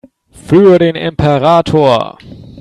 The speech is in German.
Für den Imperator!